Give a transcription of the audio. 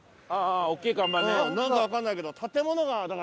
なんかわかんないけど。